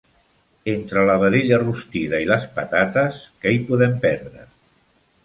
Entre la vedella rostida i les patates, què hi podem perdre?